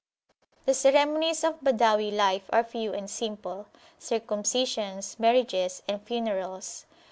The ceremonies of Badawi life are few and simplecircumcisions, marriages, and funerals.